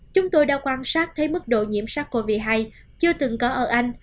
chúng tôi đã quan sát thấy mức độ nhiễm sars cov hai chưa từng có ở anh